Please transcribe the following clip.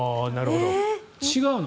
違うの。